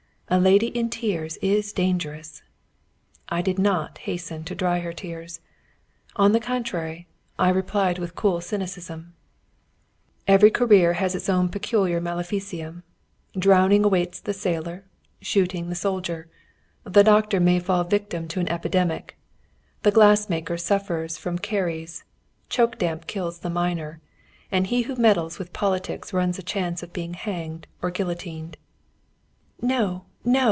A lady in tears is dangerous! I did not hasten to dry her tears. On the contrary, I replied with cool cynicism: "Every career has its own peculiar maleficium drowning awaits the sailor, shooting the soldier; the doctor may fall a victim to an epidemic; the glass maker suffers from caries; choke damp kills the miner; and he who meddles with politics runs a chance of being hanged or guillotined." "No, no!